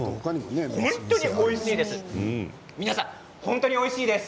本当においしいです。